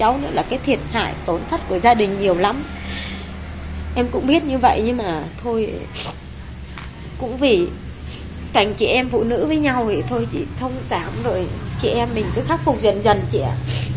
rồi chị em mình cứ khắc phục dần dần chị ạ